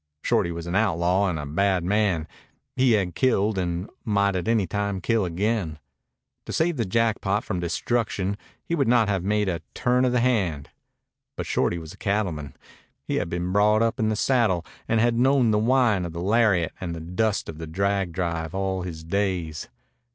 Shorty was an outlaw and a bad man. He had killed, and might at any time kill again. To save the Jackpot from destruction he would not have made a turn of the hand. But Shorty was a cattleman. He had been brought up in the saddle and had known the whine of the lariat and the dust of the drag drive all his days.